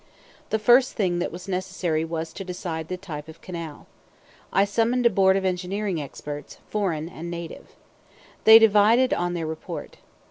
The first thing that was necessary was to decide the type of canal. I summoned a board of engineering experts, foreign and native. They divided on their report.